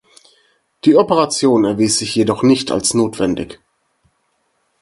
Die Operation erwies sich jedoch als nicht notwendig.